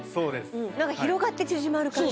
なんか広がって縮まる感じ。